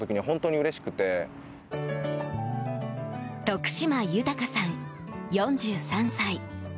徳島泰さん、４３歳。